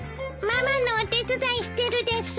ママのお手伝いしてるです。